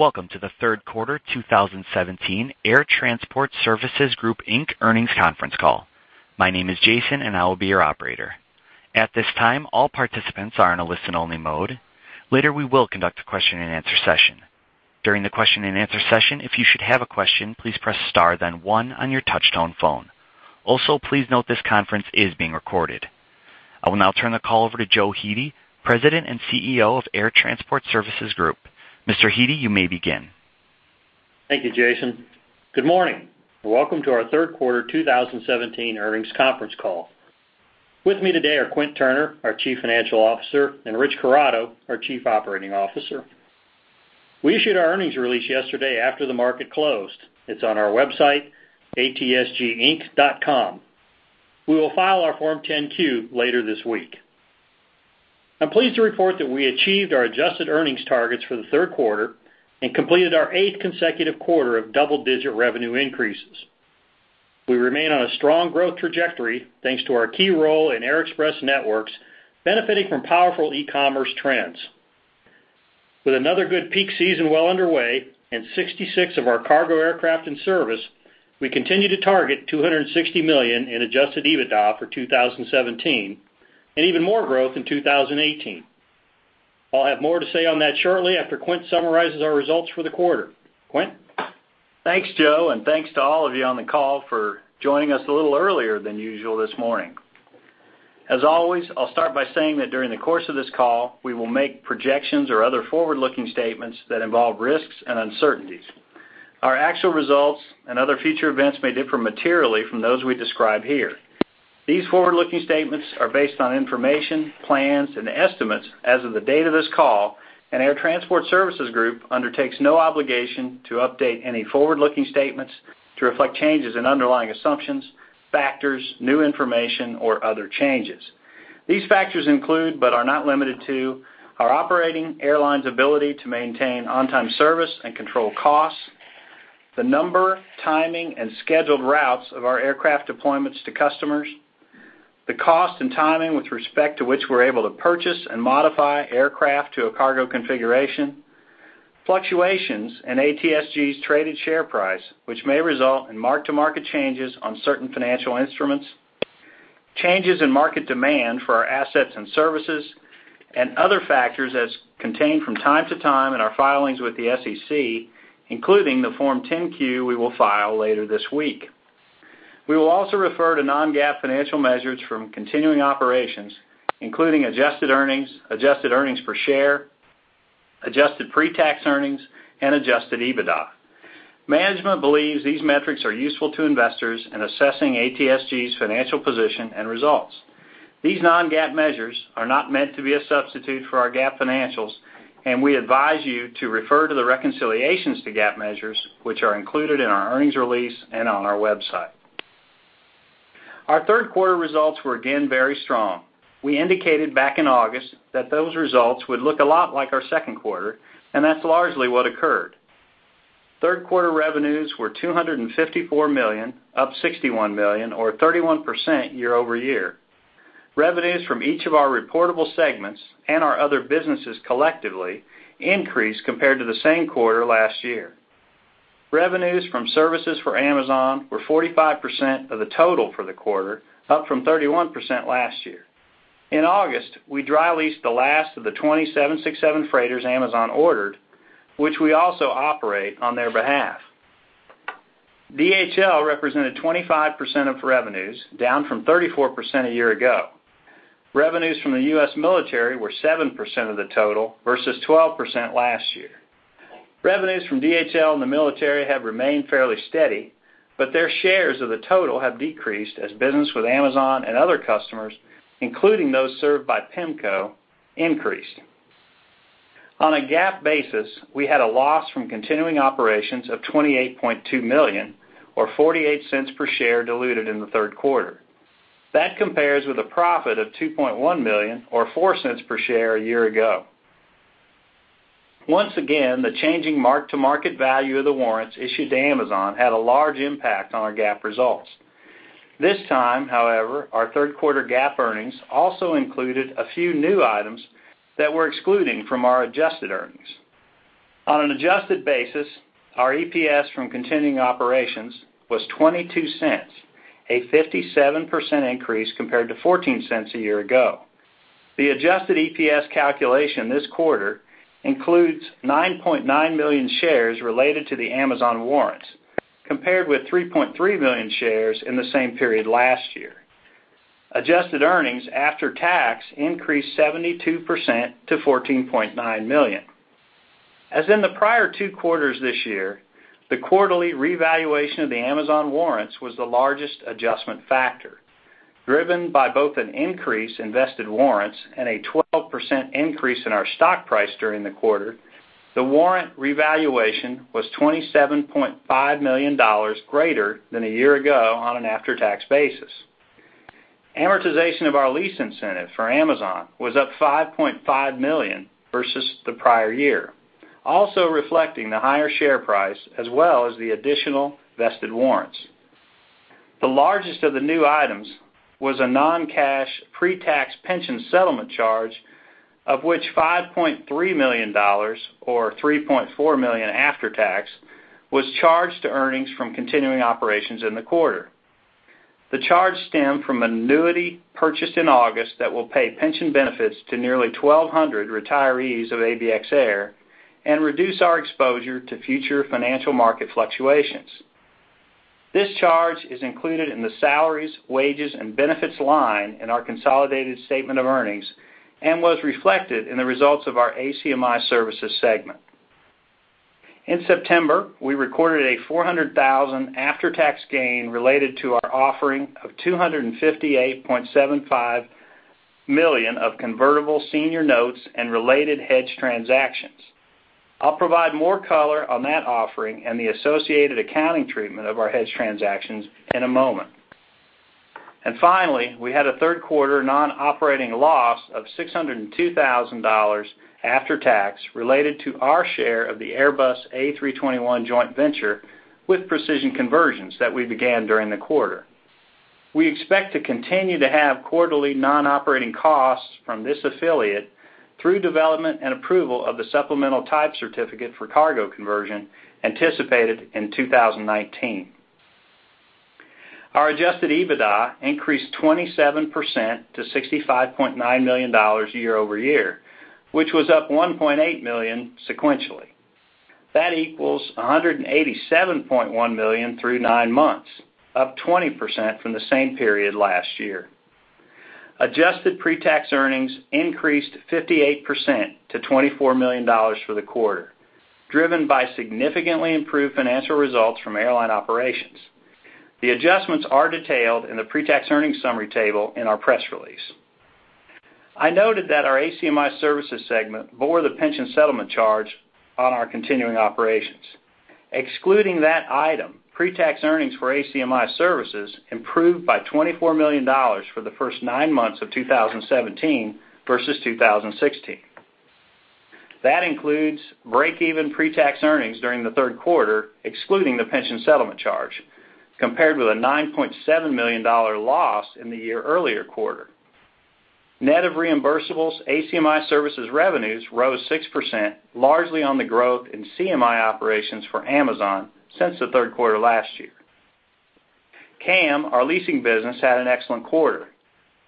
Welcome to the third quarter 2017 Air Transport Services Group, Inc. earnings conference call. My name is Jason, and I will be your operator. At this time, all participants are in a listen-only mode. Later, we will conduct a question-and-answer session. During the question-and-answer session, if you should have a question, please press star then one on your touchtone phone. Also, please note this conference is being recorded. I will now turn the call over to Joe Hete, President and CEO of Air Transport Services Group. Mr. Hete, you may begin. Thank you, Jason. Good morning. Welcome to our third quarter 2017 earnings conference call. With me today are Quint Turner, our Chief Financial Officer, and Rich Corrado, our Chief Operating Officer. We issued our earnings release yesterday after the market closed. It's on our website, atsginc.com. We will file our Form 10-Q later this week. I'm pleased to report that we achieved our Adjusted Earnings targets for the third quarter and completed our eighth consecutive quarter of double-digit revenue increases. We remain on a strong growth trajectory, thanks to our key role in Air Express networks, benefiting from powerful e-commerce trends. With another good peak season well underway and 66 of our cargo aircraft in service, we continue to target $260 million in Adjusted EBITDA for 2017 and even more growth in 2018. I'll have more to say on that shortly after Quint summarizes our results for the quarter. Quint? Thanks, Joe, and thanks to all of you on the call for joining us a little earlier than usual this morning. As always, I'll start by saying that during the course of this call, we will make projections or other forward-looking statements that involve risks and uncertainties. Our actual results and other future events may differ materially from those we describe here. These forward-looking statements are based on information, plans, and estimates as of the date of this call, and Air Transport Services Group undertakes no obligation to update any forward-looking statements to reflect changes in underlying assumptions, factors, new information, or other changes. These factors include, but are not limited to, our operating airlines' ability to maintain on-time service and control costs, the number, timing, and scheduled routes of our aircraft deployments to customers, the cost and timing with respect to which we're able to purchase and modify aircraft to a cargo configuration, fluctuations in ATSG's traded share price, which may result in mark-to-market changes on certain financial instruments, changes in market demand for our assets and services, and other factors as contained from time to time in our filings with the SEC, including the Form 10-Q we will file later this week. We will also refer to non-GAAP financial measures from continuing operations, including Adjusted Earnings, Adjusted EPS, adjusted pre-tax earnings, and Adjusted EBITDA. Management believes these metrics are useful to investors in assessing ATSG's financial position and results. These non-GAAP measures are not meant to be a substitute for our GAAP financials, and we advise you to refer to the reconciliations to GAAP measures which are included in our earnings release and on our website. Our third quarter results were again very strong. We indicated back in August that those results would look a lot like our second quarter, and that's largely what occurred. Third quarter revenues were $254 million, up $61 million, or 31% year-over-year. Revenues from each of our reportable segments, and our other businesses collectively, increased compared to the same quarter last year. Revenues from services for Amazon were 45% of the total for the quarter, up from 31% last year. In August, we dry leased the last of the 20 767 freighters Amazon ordered, which we also operate on their behalf. DHL represented 25% of revenues, down from 34% a year ago. Revenues from the U.S. Military were 7% of the total versus 12% last year. Revenues from DHL and the military have remained fairly steady, but their shares of the total have decreased as business with Amazon and other customers, including those served by PEMCO, increased. On a GAAP basis, we had a loss from continuing operations of $28.2 million or $0.48 per share diluted in the third quarter. That compares with a profit of $2.1 million or $0.04 per share a year ago. Once again, the changing mark-to-market value of the warrants issued to Amazon had a large impact on our GAAP results. This time, however, our third quarter GAAP earnings also included a few new items that we're excluding from our Adjusted Earnings. On an adjusted basis, our EPS from continuing operations was $0.22, a 57% increase compared to $0.14 a year ago. The Adjusted EPS calculation this quarter includes 9.9 million shares related to the Amazon warrants, compared with 3.3 million shares in the same period last year. Adjusted Earnings after tax increased 72% to $14.9 million. As in the prior two quarters this year, the quarterly revaluation of the Amazon warrants was the largest adjustment factor. Driven by both an increase in vested warrants and a 12% increase in our stock price during the quarter, the warrant revaluation was $27.5 million greater than a year ago on an after-tax basis. Amortization of our lease incentive for Amazon was up $5.5 million versus the prior year, also reflecting the higher share price as well as the additional vested warrants. The largest of the new items was a non-cash pre-tax pension settlement charge, of which $5.3 million, or $3.4 million after tax, was charged to earnings from continuing operations in the quarter. The charge stemmed from an annuity purchased in August that will pay pension benefits to nearly 1,200 retirees of ABX Air and reduce our exposure to future financial market fluctuations. This charge is included in the salaries, wages, and benefits line in our consolidated statement of earnings and was reflected in the results of our ACMI Services segment. In September, we recorded a $400,000 after-tax gain related to our offering of $258.75 million of convertible senior notes and related hedge transactions. I'll provide more color on that offering and the associated accounting treatment of our hedge transactions in a moment. Finally, we had a third quarter non-operating loss of $602,000 after tax related to our share of the Airbus A321 joint venture with Precision Conversions that we began during the quarter. We expect to continue to have quarterly non-operating costs from this affiliate through development and approval of the Supplemental Type Certificate for cargo conversion anticipated in 2019. Our Adjusted EBITDA increased 27% to $65.9 million year-over-year, which was up $1.8 million sequentially. That equals $187.1 million through nine months, up 20% from the same period last year. Adjusted pre-tax earnings increased 58% to $24 million for the quarter, driven by significantly improved financial results from airline operations. The adjustments are detailed in the pre-tax earnings summary table in our press release. I noted that our ACMI Services segment bore the pension settlement charge on our continuing operations. Excluding that item, pre-tax earnings for ACMI Services improved by $24 million for the first nine months of 2017 versus 2016. That includes break-even pre-tax earnings during the third quarter, excluding the pension settlement charge, compared with a $9.7 million loss in the year-earlier quarter. Net of reimbursables, ACMI Services revenues rose 6%, largely on the growth in CMI operations for Amazon since the third quarter last year. CAM, our leasing business, had an excellent quarter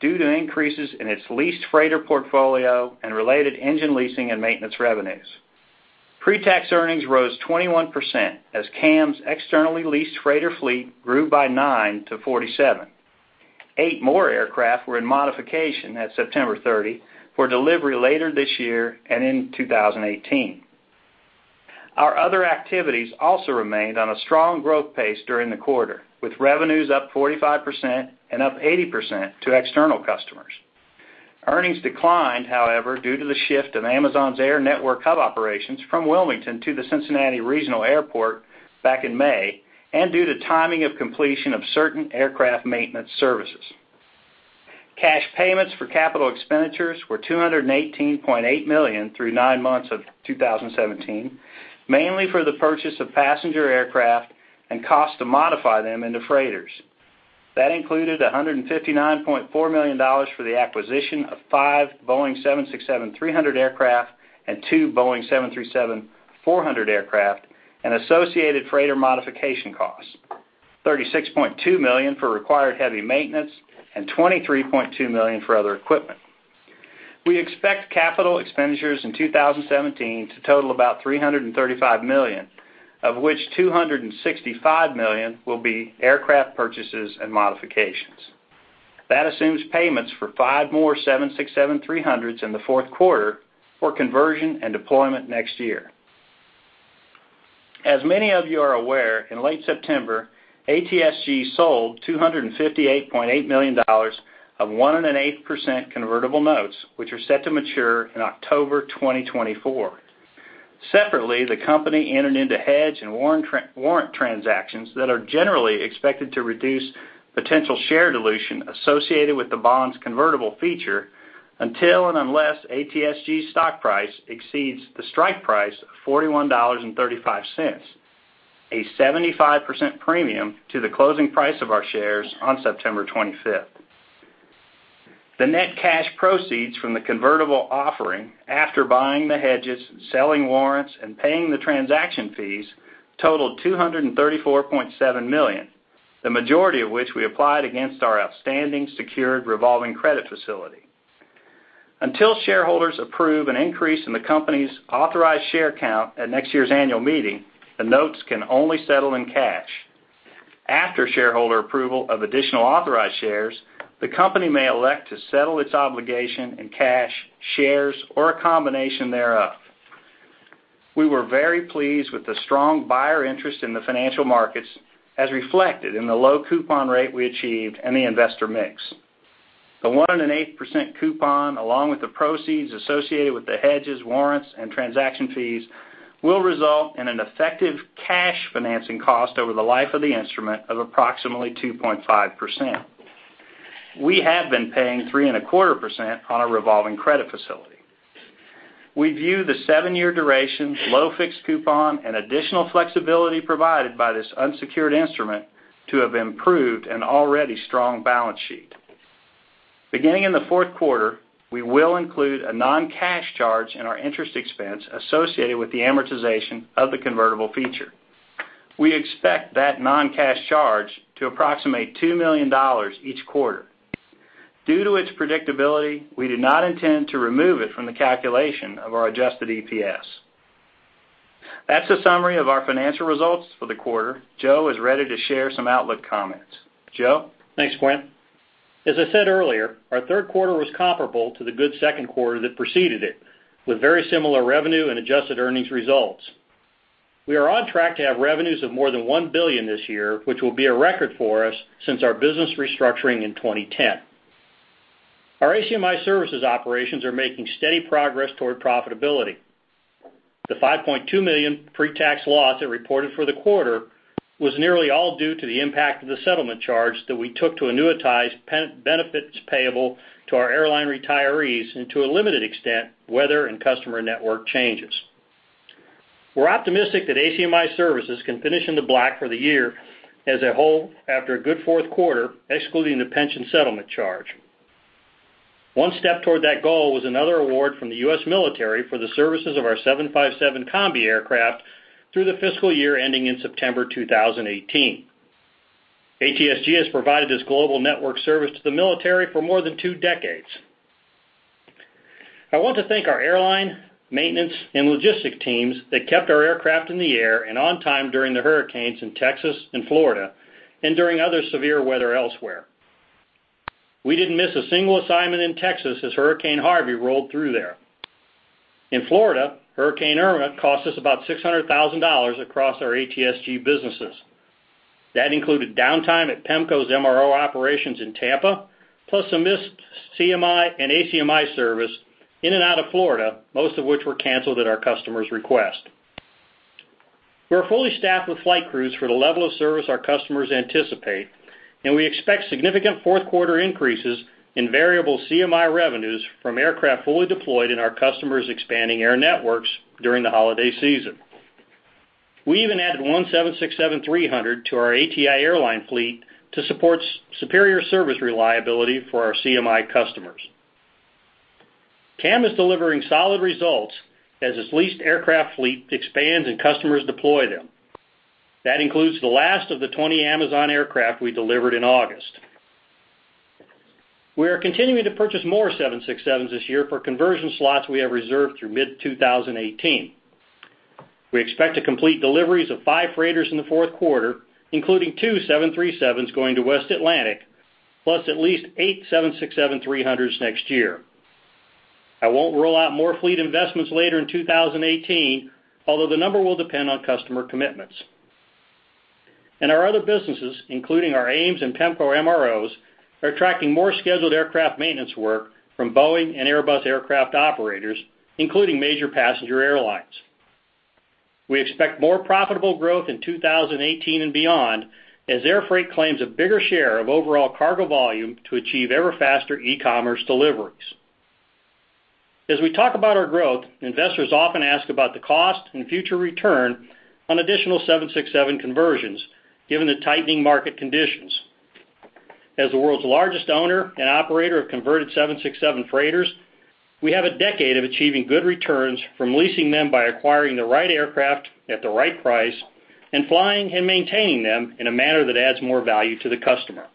due to increases in its leased freighter portfolio and related engine leasing and maintenance revenues. Pre-tax earnings rose 21% as CAM's externally leased freighter fleet grew by 9 to 47. 8 more aircraft were in modification at September 30 for delivery later this year and in 2018. Our other activities also remained on a strong growth pace during the quarter, with revenues up 45% and up 80% to external customers. Earnings declined, however, due to the shift of Amazon's Air Network hub operations from Wilmington to the Cincinnati/Northern Kentucky International Airport back in May, and due to timing of completion of certain aircraft maintenance services. Cash payments for capital expenditures were $218.8 million through nine months of 2017, mainly for the purchase of passenger aircraft and costs to modify them into freighters. That included $159.4 million for the acquisition of 5 Boeing 767-300 aircraft and 2 Boeing 737-400 aircraft and associated freighter modification costs, $36.2 million for required heavy maintenance, and $23.2 million for other equipment. We expect capital expenditures in 2017 to total about $335 million, of which $265 million will be aircraft purchases and modifications. That assumes payments for 5 more 767-300s in the fourth quarter for conversion and deployment next year. As many of you are aware, in late September, ATSG sold $258.8 million of 1.8% convertible notes, which are set to mature in October 2024. Separately, the company entered into hedge and warrant transactions that are generally expected to reduce potential share dilution associated with the bond's convertible feature until and unless ATSG's stock price exceeds the strike price of $41.35, a 75% premium to the closing price of our shares on September 25th. The net cash proceeds from the convertible offering after buying the hedges, selling warrants, and paying the transaction fees totaled $234.7 million, the majority of which we applied against our outstanding secured revolving credit facility. Until shareholders approve an increase in the company's authorized share count at next year's annual meeting, the notes can only settle in cash. After shareholder approval of additional authorized shares, the company may elect to settle its obligation in cash, shares, or a combination thereof. We were very pleased with the strong buyer interest in the financial markets, as reflected in the low coupon rate we achieved and the investor mix. The 1.8% coupon, along with the proceeds associated with the hedges, warrants, and transaction fees, will result in an effective cash financing cost over the life of the instrument of approximately 2.5%. We have been paying 3.25% on our revolving credit facility. We view the seven-year duration, low fixed coupon, and additional flexibility provided by this unsecured instrument to have improved an already strong balance sheet. Beginning in the fourth quarter, we will include a non-cash charge in our interest expense associated with the amortization of the convertible feature. We expect that non-cash charge to approximate $2 million each quarter. Due to its predictability, we do not intend to remove it from the calculation of our Adjusted EPS. That's a summary of our financial results for the quarter. Joe is ready to share some outlook comments. Joe? Thanks, Quint. As I said earlier, our third quarter was comparable to the good second quarter that preceded it, with very similar revenue and Adjusted Earnings results. We are on track to have revenues of more than $1 billion this year, which will be a record for us since our business restructuring in 2010. Our ACMI Services operations are making steady progress toward profitability. The $5.2 million pre-tax loss that we reported for the quarter was nearly all due to the impact of the settlement charge that we took to annuitize benefits payable to our airline retirees, and to a limited extent, weather and customer network changes. We're optimistic that ACMI Services can finish in the black for the year as a whole after a good fourth quarter, excluding the pension settlement charge. One step toward that goal was another award from the U.S. Military for the services of our 757 Combi aircraft through the fiscal year ending in September 2018. ATSG has provided this global network service to the military for more than two decades. I want to thank our airline, maintenance, and logistic teams that kept our aircraft in the air and on time during the hurricanes in Texas and Florida, and during other severe weather elsewhere. We didn't miss a single assignment in Texas as Hurricane Harvey rolled through there. In Florida, Hurricane Irma cost us about $600,000 across our ATSG businesses. That included downtime at PEMCO's MRO operations in Tampa, plus some missed CMI and ACMI Services in and out of Florida, most of which were canceled at our customer's request. We are fully staffed with flight crews for the level of service our customers anticipate. We expect significant fourth quarter increases in variable CMI revenues from aircraft fully deployed in our customers' expanding air networks during the holiday season. We even added one 767-300 to our ATI airline fleet to support superior service reliability for our CMI customers. CAM is delivering solid results as its leased aircraft fleet expands and customers deploy them. That includes the last of the 20 Amazon aircraft we delivered in August. We are continuing to purchase more 767s this year for conversion slots we have reserved through mid-2018. We expect to complete deliveries of five freighters in the fourth quarter, including two 737s going to West Atlantic, plus at least eight 767-300s next year. I won't rule out more fleet investments later in 2018, although the number will depend on customer commitments. Our other businesses, including our AIMS and PEMCO MROs, are attracting more scheduled aircraft maintenance work from Boeing and Airbus aircraft operators, including major passenger airlines. We expect more profitable growth in 2018 and beyond as air freight claims a bigger share of overall cargo volume to achieve ever-faster e-commerce deliveries. As we talk about our growth, investors often ask about the cost and future return on additional 767 conversions, given the tightening market conditions. As the world's largest owner and operator of converted 767 freighters, we have a decade of achieving good returns from leasing them by acquiring the right aircraft at the right price and flying and maintaining them in a manner that adds more value to the customer.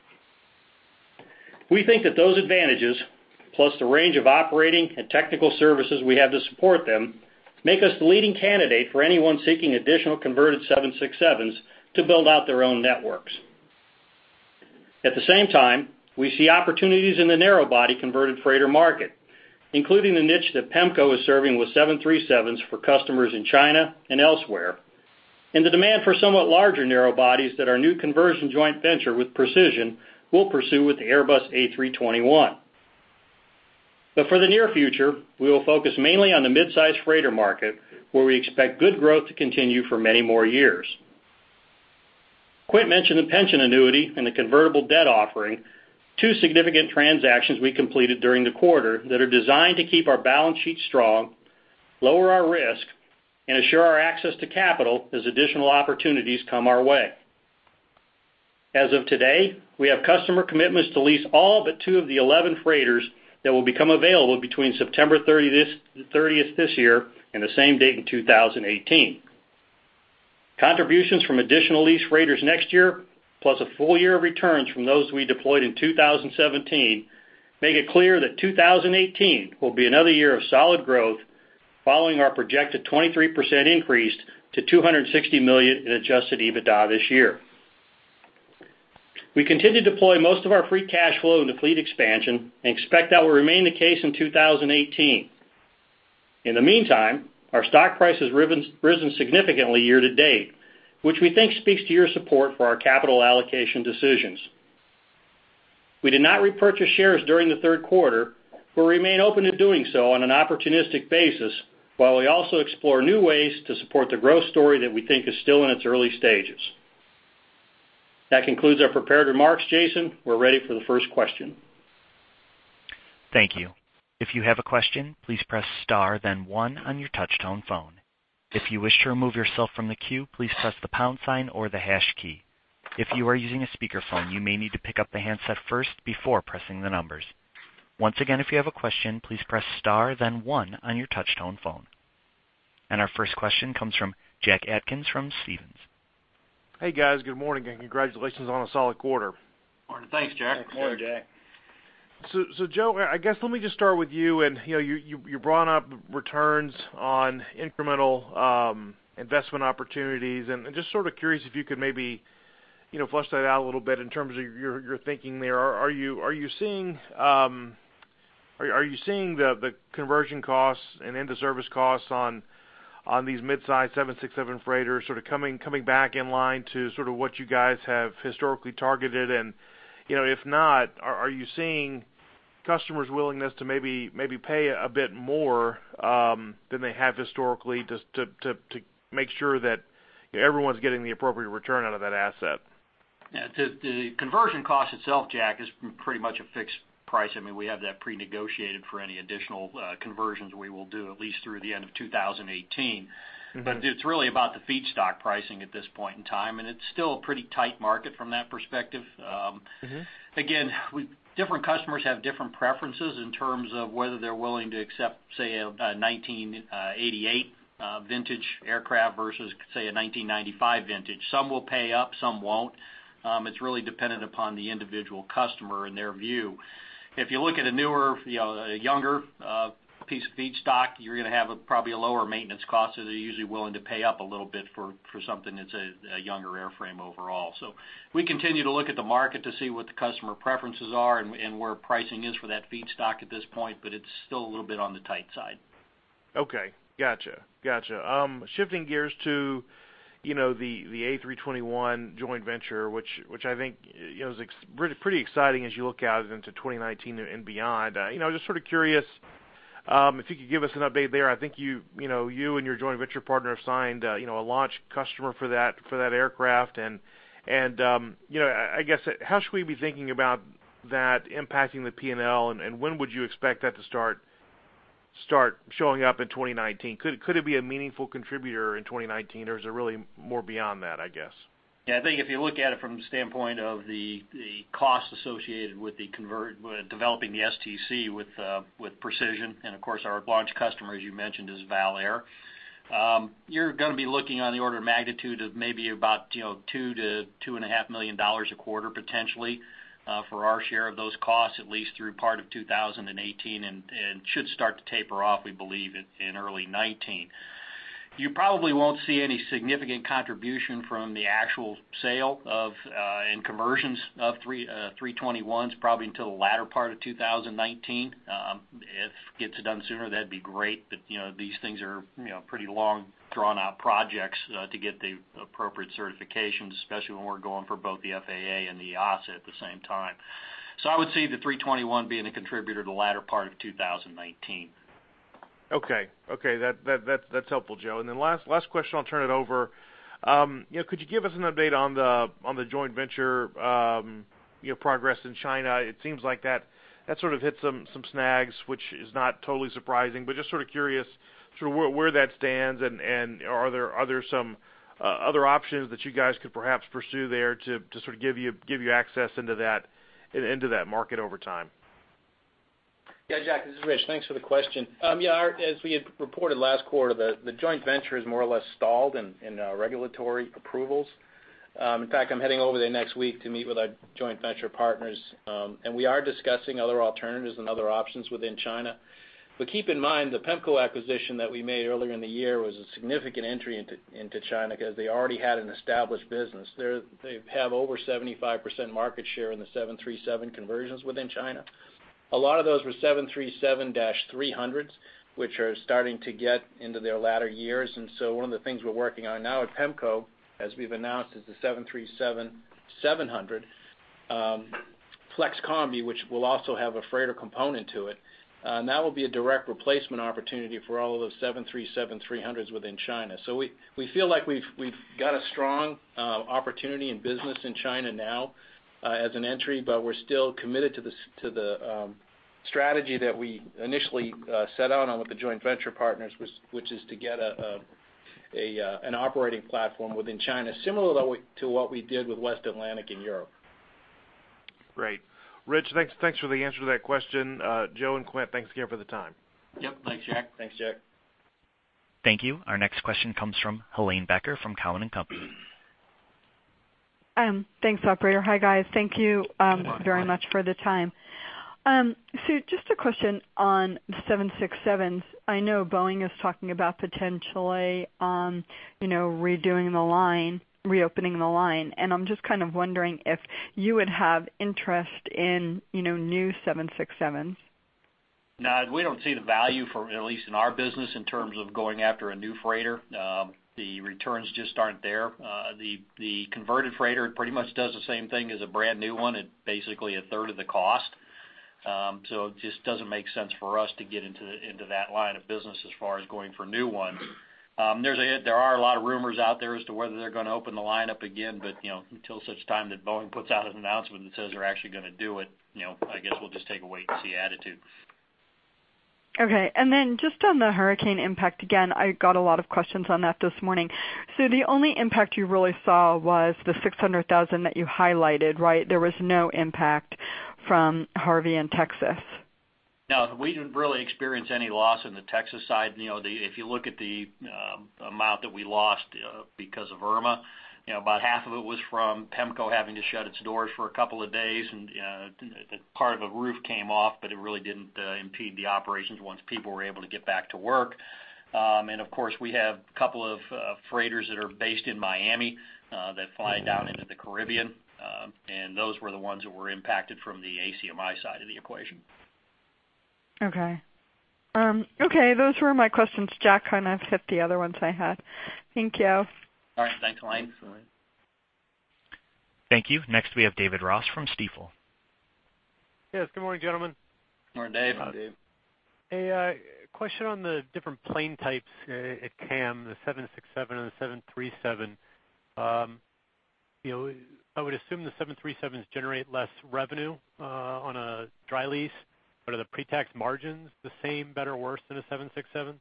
We think that those advantages, plus the range of operating and technical services we have to support them, make us the leading candidate for anyone seeking additional converted 767s to build out their own networks. At the same time, we see opportunities in the narrow body converted freighter market, including the niche that PEMCO is serving with 737s for customers in China and elsewhere, and the demand for somewhat larger narrow bodies that our new conversion joint venture with Precision will pursue with the Airbus A321. For the near future, we will focus mainly on the mid-size freighter market, where we expect good growth to continue for many more years. Quint mentioned the pension annuity and the convertible debt offering, two significant transactions we completed during the quarter that are designed to keep our balance sheet strong, lower our risk, and assure our access to capital as additional opportunities come our way. As of today, we have customer commitments to lease all but two of the 11 freighters that will become available between September 30th this year and the same date in 2018. Contributions from additional leased freighters next year, plus a full year of returns from those we deployed in 2017, make it clear that 2018 will be another year of solid growth following our projected 23% increase to $260 million in Adjusted EBITDA this year. We continue to deploy most of our free cash flow into fleet expansion and expect that will remain the case in 2018. In the meantime, our stock price has risen significantly year to date, which we think speaks to your support for our capital allocation decisions. We did not repurchase shares during the third quarter, but remain open to doing so on an opportunistic basis while we also explore new ways to support the growth story that we think is still in its early stages. That concludes our prepared remarks. Jason, we're ready for the first question. Thank you. If you have a question, please press star then one on your touch tone phone. If you wish to remove yourself from the queue, please press the pound sign or the hash key. If you are using a speakerphone, you may need to pick up the handset first before pressing the numbers. Once again, if you have a question, please press star then one on your touch tone phone. Our first question comes from Jack Atkins from Stephens. Hey, guys. Good morning. Congratulations on a solid quarter. Morning. Thanks, Jack. Thanks, Jack. Joe, I guess let me just start with you. You brought up returns on incremental investment opportunities, just sort of curious if you could maybe flush that out a little bit in terms of your thinking there. Are you seeing the conversion costs and end-of-service costs on these mid-size 767 freighters sort of coming back in line to sort of what you guys have historically targeted? If not, are you seeing customers' willingness to maybe pay a bit more than they have historically just to make sure that everyone's getting the appropriate return out of that asset? Yeah. The conversion cost itself, Jack, is pretty much a fixed price. We have that prenegotiated for any additional conversions we will do at least through the end of 2018. It's really about the feedstock pricing at this point in time, it's still a pretty tight market from that perspective. Again, different customers have different preferences in terms of whether they're willing to accept, say, a 1988 vintage aircraft versus, say, a 1995 vintage. Some will pay up, some won't. It's really dependent upon the individual customer and their view. If you look at a newer, a younger, piece of feedstock, you're going to have probably a lower maintenance cost, so they're usually willing to pay up a little bit for something that's a younger airframe overall. We continue to look at the market to see what the customer preferences are and where pricing is for that feedstock at this point, but it's still a little bit on the tight side. Okay. Gotcha. Shifting gears to the A321 joint venture, which I think is pretty exciting as you look out into 2019 and beyond. Just sort of curious if you could give us an update there. I think you and your joint venture partner have signed a launch customer for that aircraft, and I guess, how should we be thinking about that impacting the P&L, and when would you expect that to start showing up in 2019? Could it be a meaningful contributor in 2019, or is it really more beyond that, I guess? Yeah, I think if you look at it from the standpoint of the cost associated with developing the STC with Precision, and of course our launch customer, as you mentioned, is Vallair. You're going to be looking on the order of magnitude of maybe about $2 million-$2.5 million a quarter, potentially, for our share of those costs, at least through part of 2018, and should start to taper off, we believe, in early 2019. You probably won't see any significant contribution from the actual sale of, and conversions of, A321s probably until the latter part of 2019. If it gets it done sooner, that'd be great, but these things are pretty long, drawn-out projects to get the appropriate certifications, especially when we're going for both the FAA and the EASA at the same time. I would see the A321 being a contributor the latter part of 2019. Okay. That's helpful, Joe. Last question, I'll turn it over. Could you give us an update on the joint venture progress in China? It seems like that sort of hit some snags, which is not totally surprising, but just sort of curious sort of where that stands and are there some other options that you guys could perhaps pursue there to sort of give you access into that market over time? Jack, this is Rich. Thanks for the question. As we had reported last quarter, the joint venture is more or less stalled in regulatory approvals. In fact, I'm heading over there next week to meet with our joint venture partners. We are discussing other alternatives and other options within China. Keep in mind, the PEMCO acquisition that we made earlier in the year was a significant entry into China because they already had an established business. They have over 75% market share in the 737 conversions within China. A lot of those were 737-300s, which are starting to get into their latter years. One of the things we're working on now at PEMCO, as we've announced, is the Boeing 737-700FC, which will also have a freighter component to it. That will be a direct replacement opportunity for all of those 737-300s within China. We feel like we've got a strong opportunity and business in China now as an entry, but we're still committed to the strategy that we initially set out on with the joint venture partners, which is to get an operating platform within China, similar to what we did with West Atlantic in Europe. Great. Rich, thanks for the answer to that question. Joe and Quint, thanks again for the time. Yep. Thanks, Jack. Thanks, Jack. Thank you. Our next question comes from Helane Becker from Cowen and Company. Thanks, operator. Hi, guys. Thank you very much for the time. Just a question on the 767s. I know Boeing is talking about potentially redoing the line, reopening the line, I'm just kind of wondering if you would have interest in new 767s. No, we don't see the value, at least in our business, in terms of going after a new freighter. The returns just aren't there. The converted freighter pretty much does the same thing as a brand-new one at basically a third of the cost. It just doesn't make sense for us to get into that line of business as far as going for new ones. There are a lot of rumors out there as to whether they're going to open the line up again, but until such time that Boeing puts out an announcement that says they're actually going to do it, I guess we'll just take a wait and see attitude. Okay. Then just on the hurricane impact, again, I got a lot of questions on that this morning. The only impact you really saw was the $600,000 that you highlighted, right? There was no impact from Harvey in Texas. No, we didn't really experience any loss on the Texas side. If you look at the amount that we lost because of Irma, about half of it was from PEMCO having to shut its doors for a couple of days, and part of a roof came off, but it really didn't impede the operations once people were able to get back to work. Of course, we have a couple of freighters that are based in Miami that fly down into the Caribbean. Those were the ones that were impacted from the ACMI side of the equation. Okay. Those were my questions, Jack, I've hit the other ones I had. Thank you. All right. Thanks, Helane. Thank you. Next, we have David Ross from Stifel. Yes. Good morning, gentlemen. Morning, Dave. Morning, Dave. A question on the different plane types at CAM, the 767 and the 737. I would assume the 737s generate less revenue on a dry lease. Are the pre-tax margins the same, better, worse than a 767?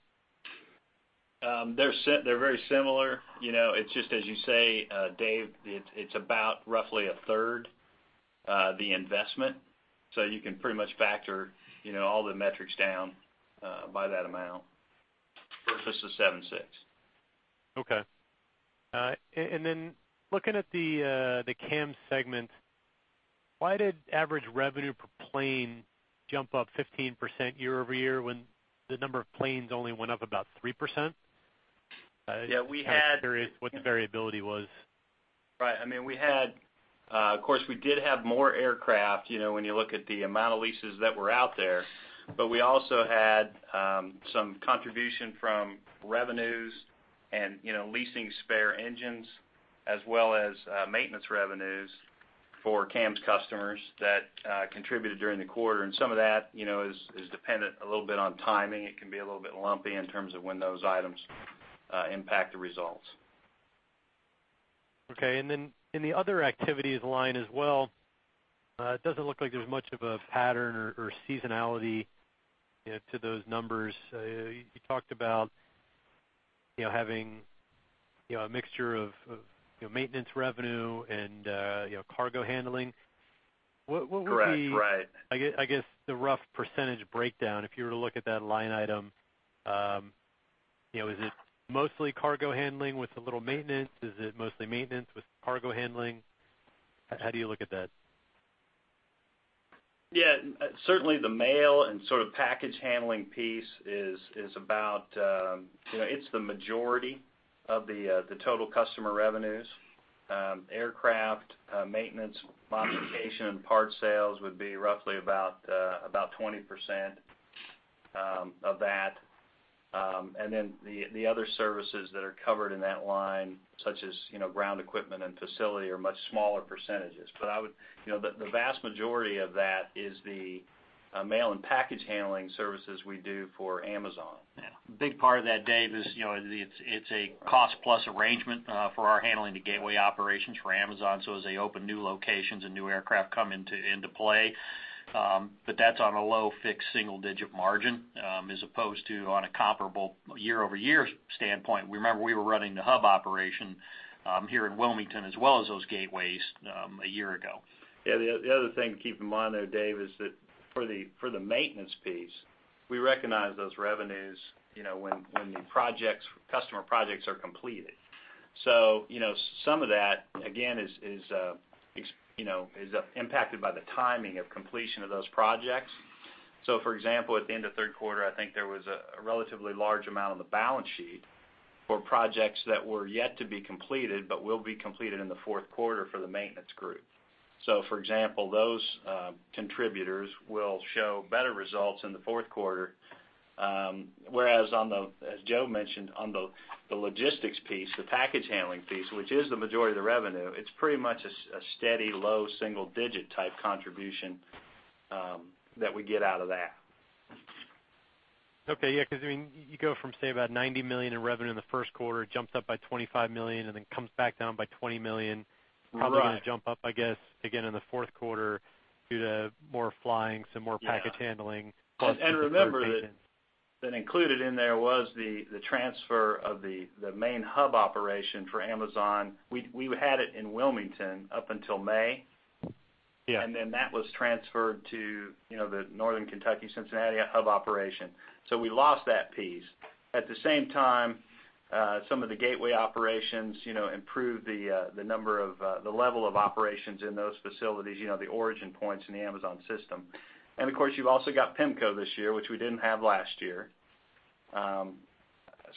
They're very similar. It's just as you say, Dave, it's about roughly a third the investment, so you can pretty much factor all the metrics down by that amount versus the 76. Looking at the CAM segment, why did average revenue per plane jump up 15% year-over-year when the number of planes only went up about 3%? Yeah. I'm curious what the variability was. Right. Of course, we did have more aircraft, when you look at the amount of leases that were out there. We also had some contribution from revenues and leasing spare engines as well as maintenance revenues for CAM's customers that contributed during the quarter, and some of that is dependent a little bit on timing. It can be a little bit lumpy in terms of when those items impact the results. Okay. In the other activities line as well, it doesn't look like there's much of a pattern or seasonality to those numbers. You talked about having a mixture of maintenance revenue and cargo handling. Correct. What would be, I guess, the rough percentage breakdown if you were to look at that line item? Is it mostly cargo handling with a little maintenance? Is it mostly maintenance with cargo handling? How do you look at that? Yeah. Certainly, the mail and sort of package handling piece is the majority of the total customer revenues. Aircraft maintenance, modification, and parts sales would be roughly about 20% of that. The other services that are covered in that line, such as ground equipment and facility are much smaller percentages. The vast majority of that is the mail and package handling services we do for Amazon. Yeah. A big part of that, Dave, is it's a cost-plus arrangement for our handling the gateway operations for Amazon. As they open new locations and new aircraft come into play. That's on a low fixed single-digit margin, as opposed to on a comparable year-over-year standpoint. Remember, we were running the hub operation here in Wilmington as well as those gateways a year ago. Yeah, the other thing to keep in mind there, Dave, is that for the maintenance piece, we recognize those revenues when the customer projects are completed. Some of that, again, is impacted by the timing of completion of those projects. For example, at the end of the third quarter, I think there was a relatively large amount on the balance sheet for projects that were yet to be completed but will be completed in the fourth quarter for the maintenance group. For example, those contributors will show better results in the fourth quarter, whereas, as Joe mentioned, on the logistics piece, the package handling piece, which is the majority of the revenue, it's pretty much a steady, low, single-digit type contribution that we get out of that. Okay. Yeah, because you go from, say, about $90 million in revenue in the first quarter, jumps up by $25 million, and then comes back down by $20 million. Right. Probably going to jump up, I guess, again in the fourth quarter due to more flying, some more package handling. Yeah. Plus the third engine. Remember that included in there was the transfer of the main hub operation for Amazon. We had it in Wilmington up until May. Yeah. That was transferred to the Northern Kentucky, Cincinnati hub operation. We lost that piece. At the same time, some of the gateway operations improved the level of operations in those facilities, the origin points in the Amazon system. You've also got PEMCO this year, which we didn't have last year.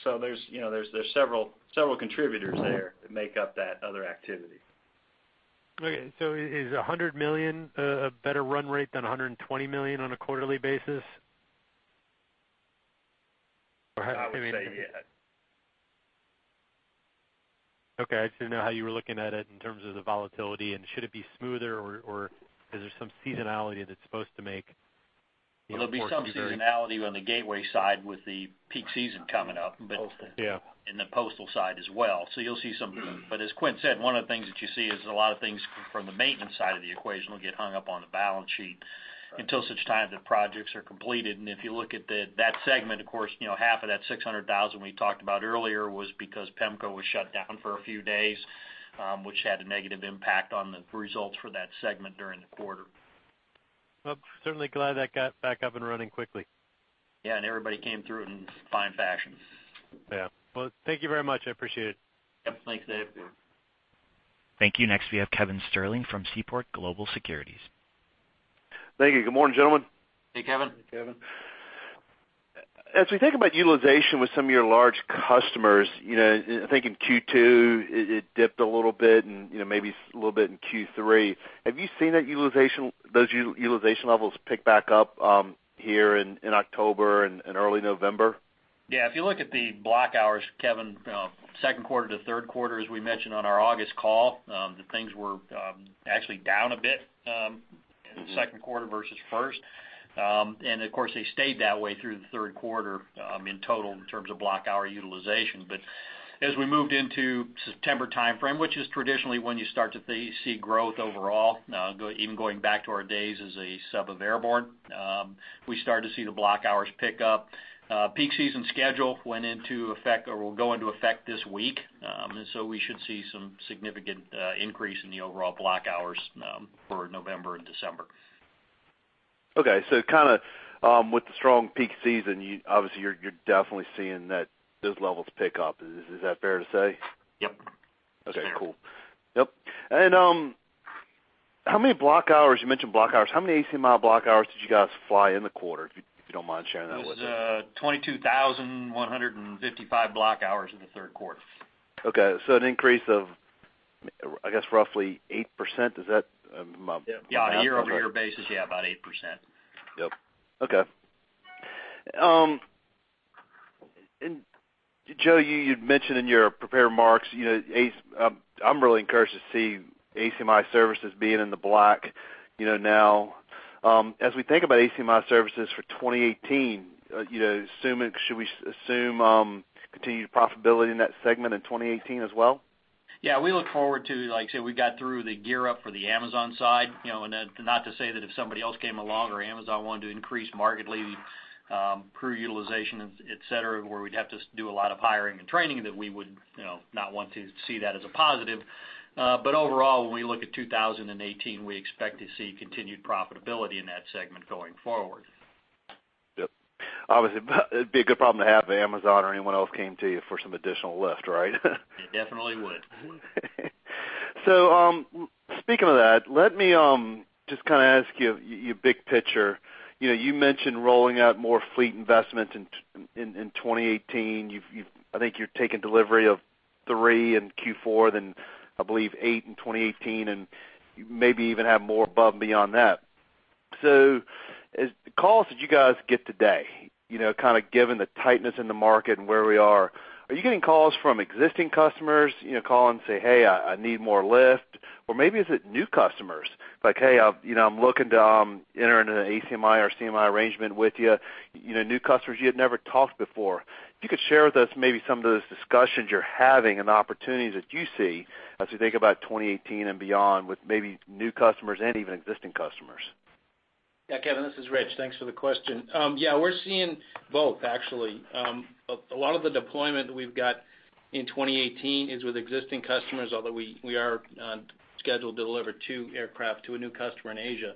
There's several contributors there that make up that other activity. Is $100 million a better run rate than $120 million on a quarterly basis? I would say, yeah. I just didn't know how you were looking at it in terms of the volatility. Should it be smoother, or is there some seasonality that's supposed to make, you know, fourth quarter? There'll be some seasonality on the Gateway side with the peak season coming up. Yeah. In the postal side as well. You'll see some. As Quint said, one of the things that you see is a lot of things from the maintenance side of the equation will get hung up on the balance sheet until such time that projects are completed. If you look at that segment, of course, half of that $600,000 we talked about earlier was because PEMCO was shut down for a few days, which had a negative impact on the results for that segment during the quarter. Well, certainly glad that got back up and running quickly. Yeah. Everybody came through it in fine fashion. Yeah. Well, thank you very much. I appreciate it. Yep. Thanks, Dave. Thank you. Next, we have Kevin Sterling from Seaport Global Securities. Thank you. Good morning, gentlemen. Hey, Kevin. Hey, Kevin. As we think about utilization with some of your large customers, I think in Q2, it dipped a little bit, and maybe a little bit in Q3. Have you seen those utilization levels pick back up here in October and early November? Yeah. If you look at the block hours, Kevin, second quarter to third quarter, as we mentioned on our August call, that things were actually down a bit. in the second quarter versus first. Of course, they stayed that way through the third quarter in total in terms of block hour utilization. As we moved into September timeframe, which is traditionally when you start to see growth overall, even going back to our days as a sub of Airborne, we started to see the block hours pick up. Peak season schedule went into effect or will go into effect this week. We should see some significant increase in the overall block hours for November and December. Okay. With the strong peak season, obviously, you're definitely seeing those levels pick up. Is that fair to say? Yep. Okay, cool. Yep. How many block hours, you mentioned block hours, how many ACMI block hours did you guys fly in the quarter, if you don't mind sharing that with us? It was 22,155 block hours in the third quarter. Okay. An increase of, I guess, roughly 8%. Is that about- Yeah. On a year-over-year basis, yeah, about 8%. Yep. Okay. Joe, you'd mentioned in your prepared remarks, I'm really encouraged to see ACMI services being in the black now. As we think about ACMI services for 2018, should we assume continued profitability in that segment in 2018 as well? Yeah, we look forward to, like I say, we got through the gear-up for the Amazon side. Not to say that if somebody else came along or Amazon wanted to increase markedly crew utilization, et cetera, where we'd have to do a lot of hiring and training that we would not want to see that as a positive. Overall, when we look at 2018, we expect to see continued profitability in that segment going forward. Yes. Obviously, it would be a good problem to have if Amazon or anyone else came to you for some additional lift, right? It definitely would. Speaking of that, let me just ask you big picture. You mentioned rolling out more fleet investment in 2018. I think you're taking delivery of three in Q4, then I believe eight in 2018, and maybe even have more above and beyond that. The calls that you guys get today, kind of given the tightness in the market and where we are you getting calls from existing customers, call and say, "Hey, I need more lift." Or maybe is it new customers like, "Hey, I'm looking to enter into an ACMI or CMI arrangement with you." New customers you had never talked before. If you could share with us maybe some of those discussions you're having and the opportunities that you see as we think about 2018 and beyond with maybe new customers and even existing customers. Yes, Kevin, this is Rich. Thanks for the question. Yes, we're seeing both actually. A lot of the deployment that we've got in 2018 is with existing customers, although we are scheduled to deliver two aircraft to a new customer in Asia.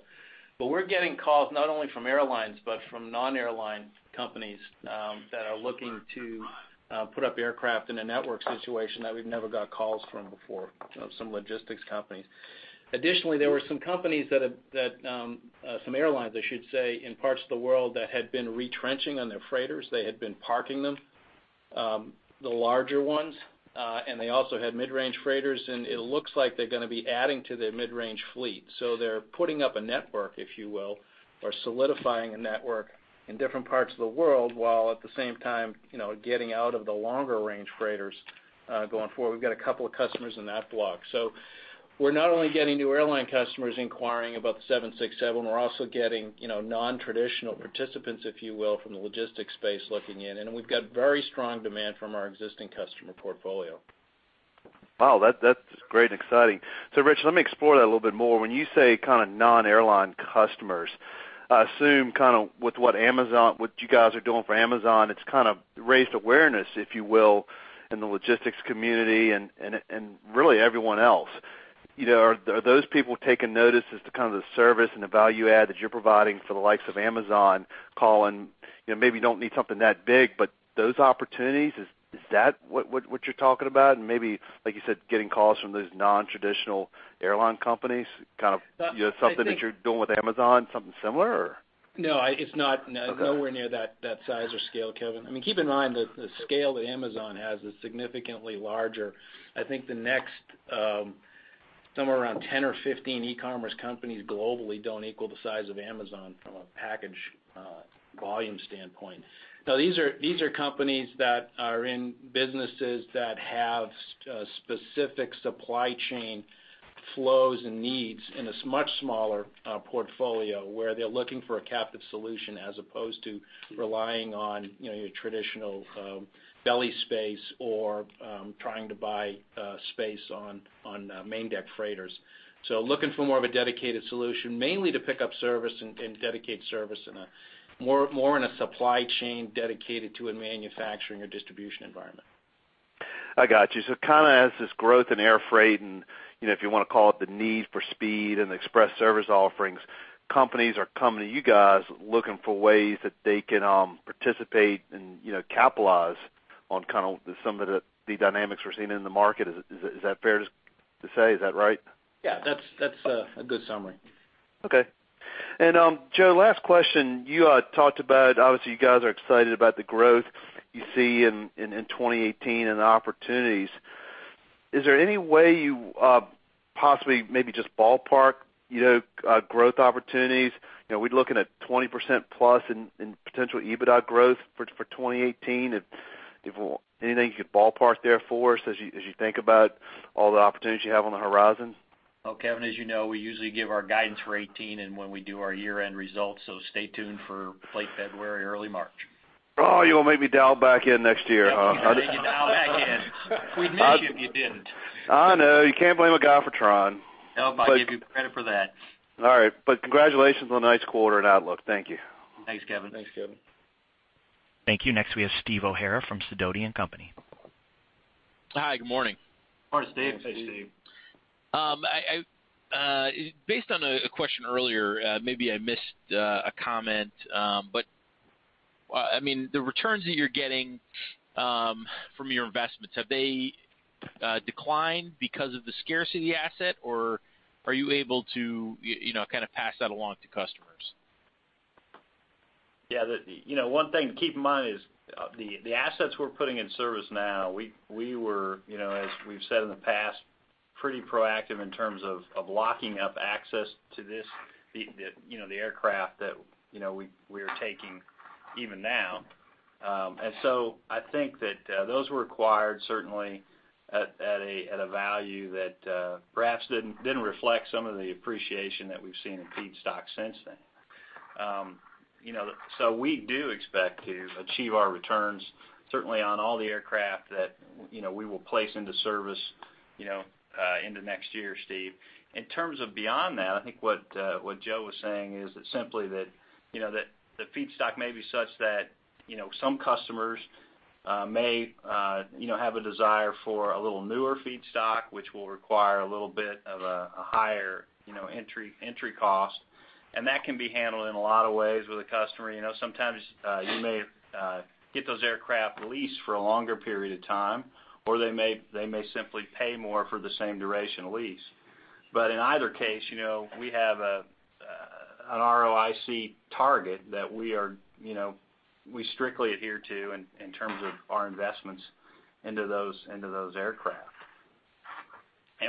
We're getting calls not only from airlines but from non-airline companies that are looking to put up aircraft in a network situation that we've never got calls from before, some logistics companies. Additionally, there were some airlines, I should say, in parts of the world that had been retrenching on their freighters. They had been parking them, the larger ones, and they also had mid-range freighters, and it looks like they're going to be adding to their mid-range fleet. They're putting up a network, if you will, or solidifying a network in different parts of the world, while at the same time, getting out of the longer-range freighters going forward. We've got a couple of customers in that block. We're not only getting new airline customers inquiring about the 767, we're also getting nontraditional participants, if you will, from the logistics space looking in. We've got very strong demand from our existing customer portfolio. Wow, that's great and exciting. Rich, let me explore that a little bit more. When you say kind of non-airline customers, I assume with what you guys are doing for Amazon, it's kind of raised awareness, if you will, in the logistics community and really everyone else. Are those people taking notice as to kind of the service and the value add that you're providing for the likes of Amazon calling, maybe you don't need something that big, but those opportunities, is that what you're talking about? Maybe, like you said, getting calls from those nontraditional airline companies, kind of something that you're doing with Amazon, something similar or? No, it's not. Okay. Nowhere near that size or scale, Kevin. Keep in mind that the scale that Amazon has is significantly larger. Somewhere around 10 or 15 e-commerce companies globally don't equal the size of Amazon from a package volume standpoint. Now, these are companies that are in businesses that have specific supply chain flows and needs in a much smaller portfolio, where they're looking for a captive solution as opposed to relying on your traditional belly space or trying to buy space on main deck freighters. Looking for more of a dedicated solution, mainly to pick up service and dedicate service more in a supply chain dedicated to a manufacturing or distribution environment. I got you. As this growth in air freight, and if you want to call it the need for speed and the express service offerings, companies are coming to you guys looking for ways that they can participate and capitalize on some of the dynamics we're seeing in the market. Is that fair to say? Is that right? Yeah. That's a good summary. Okay. Joe, last question. You talked about, obviously, you guys are excited about the growth you see in 2018 and the opportunities. Is there any way you possibly maybe just ballpark growth opportunities? Are we looking at 20% plus in potential EBITDA growth for 2018? Anything you could ballpark there for us as you think about all the opportunities you have on the horizon? Well, Kevin, as you know, we usually give our guidance for 2018 and when we do our year-end results. Stay tuned for late February, early March. Oh, you want to make me dial back in next year, huh? We need you to dial back in. We'd miss you if you didn't. I know. You can't blame a guy for trying. Nope. I'll give you credit for that. All right. Congratulations on a nice quarter and outlook. Thank you. Thanks, Kevin. Thanks, Kevin. Thank you. Next, we have Steve O'Hara from Sidoti & Company. Hi, good morning. Morning, Steve. Hey, Steve. Based on a question earlier, maybe I missed a comment. The returns that you're getting from your investments, have they declined because of the scarcity asset, or are you able to pass that along to customers? Yeah. One thing to keep in mind is the assets we're putting in service now, we were, as we've said in the past, pretty proactive in terms of locking up access to the aircraft that we are taking even now. I think that those were acquired certainly at a value that perhaps didn't reflect some of the appreciation that we've seen in feedstock since then. We do expect to achieve our returns, certainly on all the aircraft that we will place into service into next year, Steve. In terms of beyond that, I think what Joe was saying is that simply that the feedstock may be such that some customers may have a desire for a little newer feedstock, which will require a little bit of a higher entry cost. That can be handled in a lot of ways with a customer. Sometimes you may get those aircraft leased for a longer period of time, or they may simply pay more for the same duration lease. In either case, we have an ROIC target that we strictly adhere to in terms of our investments into those aircraft.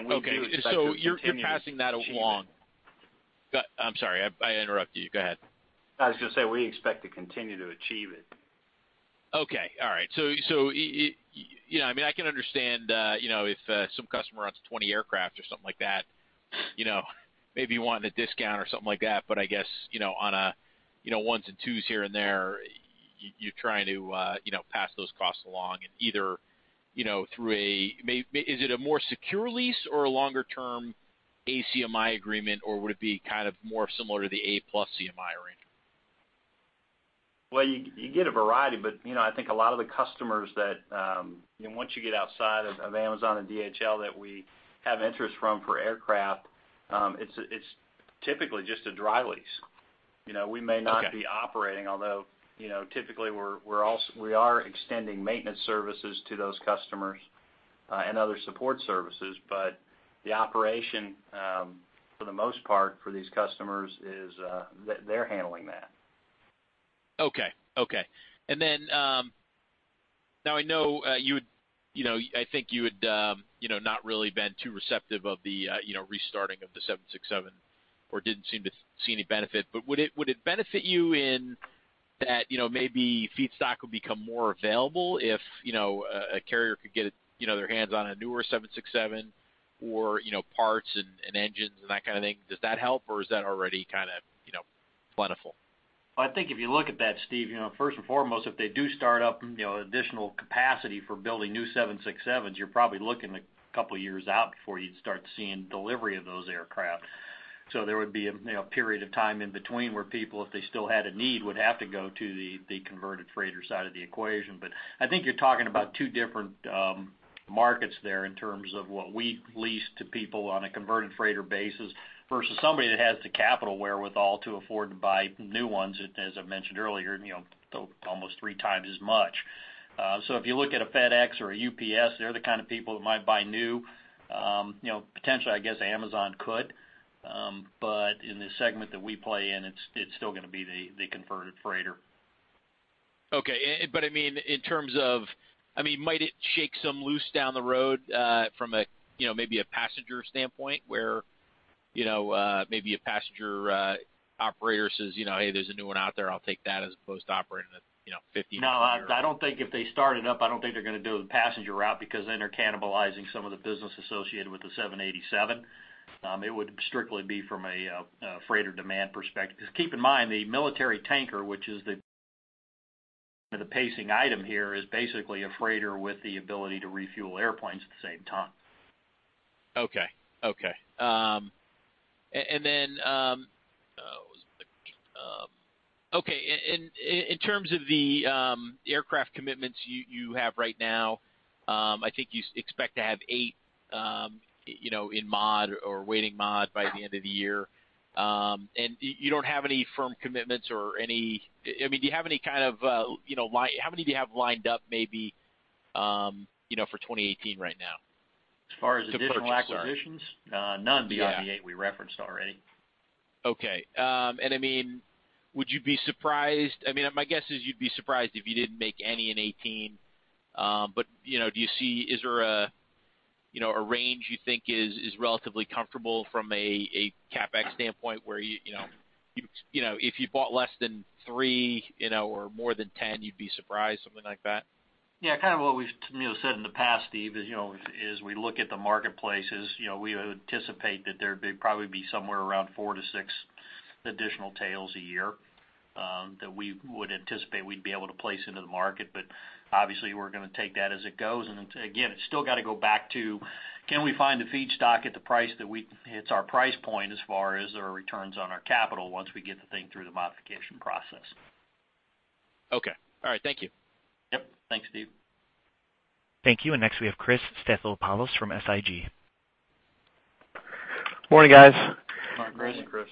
We do expect to continue to achieve it. Okay. You're passing that along. I'm sorry, I interrupted you. Go ahead. I was going to say, we expect to continue to achieve it. I can understand if some customer runs 20 aircraft or something like that, maybe wanting a discount or something like that. I guess, on a ones and twos here and there, you're trying to pass those costs along and either through a more secure lease or a longer-term ACMI agreement, or would it be more similar to the A-plus CMI arrangement? Well, you get a variety, but I think a lot of the customers that, once you get outside of Amazon and DHL that we have interest from for aircraft, it's typically just a dry lease. Okay. We may not be operating, although, typically, we are extending maintenance services to those customers, and other support services. The operation, for the most part for these customers is they're handling that. Okay. Now I know, I think you had not really been too receptive of the restarting of the 767 or didn't seem to see any benefit. Would it benefit you in that maybe feedstock will become more available if a carrier could get their hands on a newer 767 or parts and engines and that kind of thing? Does that help, or is that already plentiful? I think if you look at that, Steve, first and foremost, if they do start up additional capacity for building new 767s, you're probably looking a couple of years out before you'd start seeing delivery of those aircraft. There would be a period of time in between where people, if they still had a need, would have to go to the converted freighter side of the equation. I think you're talking about two different markets there in terms of what we lease to people on a converted freighter basis versus somebody that has the capital wherewithal to afford to buy new ones, as I mentioned earlier, almost three times as much. If you look at a FedEx or a UPS, they're the kind of people that might buy new. Potentially, I guess Amazon could. In the segment that we play in, it's still going to be the converted freighter. Okay. In terms of, might it shake some loose down the road from maybe a passenger standpoint, where maybe a passenger operator says, "Hey, there's a new one out there, I'll take that as opposed to operating at 50- No, if they start it up, I don't think they're going to do the passenger route, because then they're cannibalizing some of the business associated with the 787. It would strictly be from a freighter demand perspective. Because keep in mind, the military tanker, which is the pacing item here, is basically a freighter with the ability to refuel airplanes at the same time. Okay. In terms of the aircraft commitments you have right now, I think you expect to have eight in mod or waiting mod by the end of the year. How many do you have lined up maybe for 2018 right now? As far as additional acquisitions? Yeah. None beyond the eight we referenced already. Okay. Would you be surprised, my guess is you'd be surprised if you didn't make any in 2018. Is there a range you think is relatively comfortable from a CapEx standpoint where if you bought less than three or more than 10, you'd be surprised, something like that? Yeah, kind of what we've said in the past, Steve, is we look at the marketplaces. We would anticipate that there'd probably be somewhere around four to six additional tails a year, that we would anticipate we'd be able to place into the market. Obviously, we're going to take that as it goes. Again, it's still got to go back to, can we find the feedstock at the price that hits our price point as far as our returns on our capital once we get the thing through the modification process? Okay. All right. Thank you. Yep. Thanks, Steve. Thank you. Next we have Chris Stathoulopoulos from SIG. Morning, guys. Morning, Chris.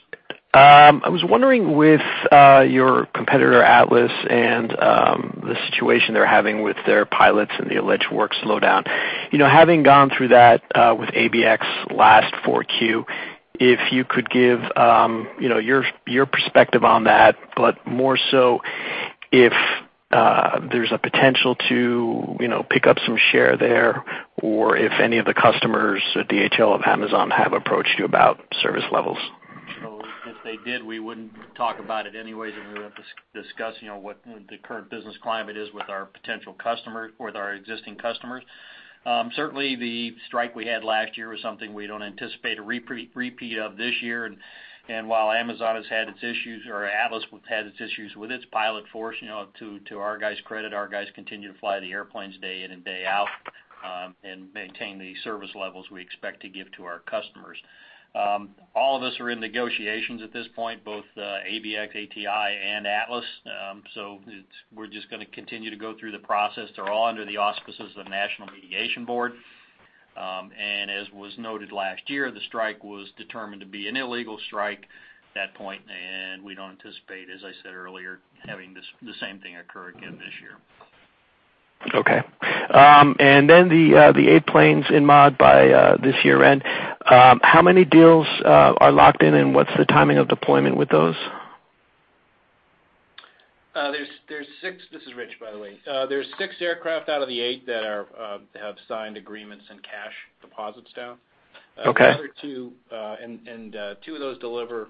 I was wondering with your competitor, Atlas, and the situation they're having with their pilots and the alleged work slowdown. Having gone through that with ABX last 4Q, if you could give your perspective on that, more so if there's a potential to pick up some share there, or if any of the customers at DHL or Amazon have approached you about service levels. If they did, we wouldn't talk about it anyways. We wouldn't discuss what the current business climate is with our potential customers, with our existing customers. Certainly, the strike we had last year was something we don't anticipate a repeat of this year. While Amazon has had its issues, or Atlas has had its issues with its pilot force, to our guys' credit, our guys continue to fly the airplanes day in and day out, and maintain the service levels we expect to give to our customers. All of us are in negotiations at this point, both ABX, ATI, and Atlas. We're just going to continue to go through the process. They're all under the auspices of National Mediation Board. As was noted last year, the strike was determined to be an illegal strike that point, and we don't anticipate, as I said earlier, having the same thing occur again this year. Okay. The eight planes in mod by this year-end, how many deals are locked in, and what's the timing of deployment with those? There's six. This is Rich, by the way. There's six aircraft out of the eight that have signed agreements and cash deposits down. Okay. The other two. Two of those deliver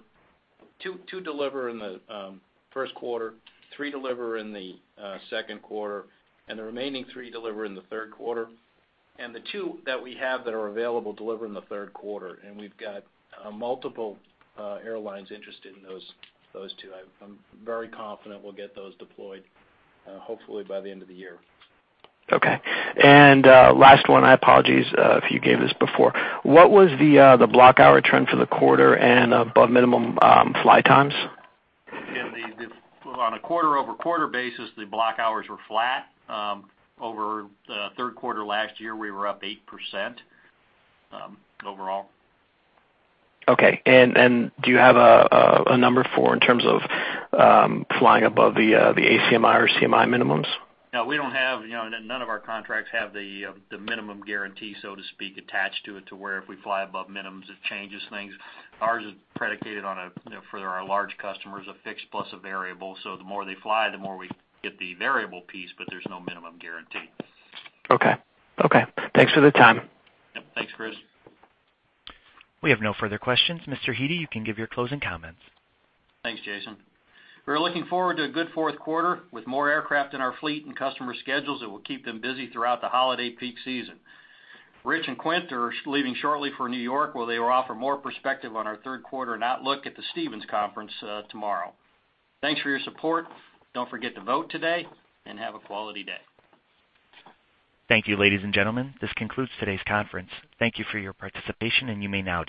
in the first quarter, three deliver in the second quarter, and the remaining three deliver in the third quarter. The two that we have that are available deliver in the third quarter, and we've got multiple airlines interested in those two. I'm very confident we'll get those deployed, hopefully by the end of the year. Okay. Last one. Apologies if you gave this before. What was the block hour trend for the quarter and above minimum fly times? On a quarter-over-quarter basis, the block hours were flat. Over third quarter last year, we were up 8% overall. Okay. Do you have a number for in terms of flying above the ACMI or CMI minimums? No, none of our contracts have the minimum guarantee, so to speak, attached to it to where if we fly above minimums, it changes things. Ours is predicated on, for our large customers, a fixed plus a variable. The more they fly, the more we get the variable piece, but there's no minimum guarantee. Okay. Thanks for the time. Yep. Thanks, Chris. We have no further questions. Mr. Hete, you can give your closing comments. Thanks, Jason. We're looking forward to a good fourth quarter with more aircraft in our fleet and customer schedules that will keep them busy throughout the holiday peak season. Rich and Quint are leaving shortly for New York, where they will offer more perspective on our third quarter and outlook at the Stephens Conference tomorrow. Thanks for your support. Don't forget to vote today, and have a quality day. Thank you, ladies and gentlemen. This concludes today's conference. Thank you for your participation, and you may now disconnect.